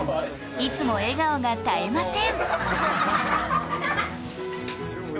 いつも笑顔が絶えません。